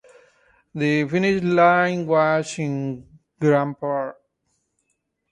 The finish line was in Grant Park.